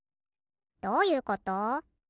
どういうこと？